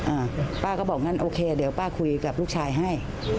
อ่าป้าก็บอกงั้นโอเคเดี๋ยวป้าคุยกับลูกชายให้